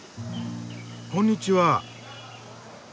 こんにちは。